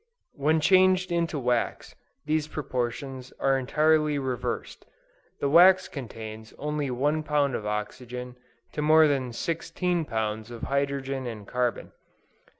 When changed into wax, the proportions are entirely reversed: the wax contains only one pound of oxygen to more than sixteen pounds of hydrogen and carbon.